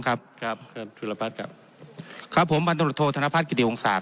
ครับครับคุณพุทธภาพครับครับผมบรรตโหลโคทัศนาภาคกิตตีองศาครับ